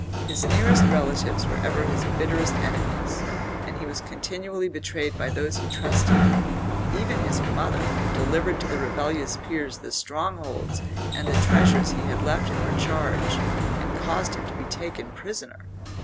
His nearest relatives were ever his bitterest enemies, and he was continually betrayed by those he trusted; even his mother delivered to the rebellious peers the strongholds and the treasures he had left in her charge and caused him to be taken prisoner.